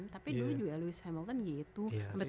tapi dulu juga lewis hamilton gitu